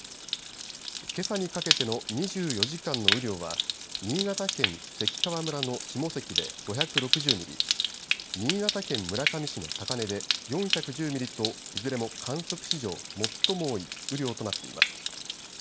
けさにかけての２４時間の雨量は新潟県関川村の下関で５６０ミリ、新潟県村上市の高根で４１０ミリといずれも観測史上最も多い雨量となっています。